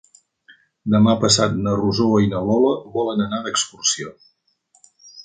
Demà passat na Rosó i na Lola volen anar d'excursió.